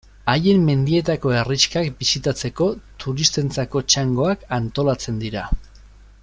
Haien mendietako herrixkak bisitatzeko turistentzako txangoak antolatzen dira.